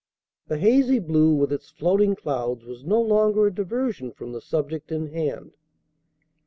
The hazy blue with its floating clouds was no longer a diversion from the subject in hand.